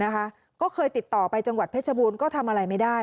ก็เคยติดต่อไปจังหวัดเพชรบูรณ์ก็ทำอะไรไม่ได้